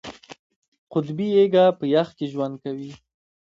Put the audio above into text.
قطبي هیږه په یخ کې ژوند کوي